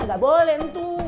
gak boleh itu